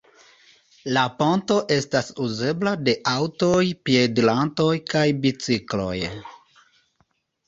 La ponto estas uzebla de aŭtoj, piedirantoj kaj bicikloj.